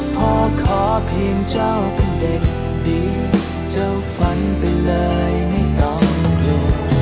ขอขอเพียงเจ้าเป็นเด็กดีเจ้าฝันไปเลยไม่ต้องกลัว